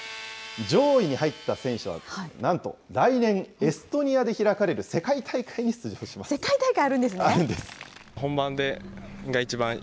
上位に入った選手はなんと、来年、エストニアで開かれる世界大会に世界大会！